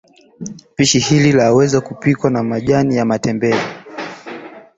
Pishi hili laweza kupikwa na majani ya matembele